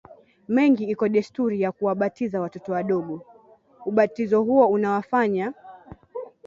mengi iko desturi ya kuwabatiza watoto wadogo Ubatizo huo unawafanya